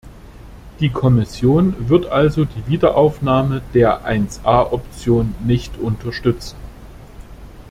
Die Kommission wird also die Wiederaufnahme der I A-Option nicht unterstützen.